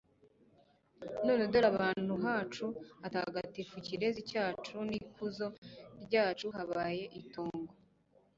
none dore ahantu hacu hatagatifu, kirezi cyacu n'ikuzo ryacu, habaye itongo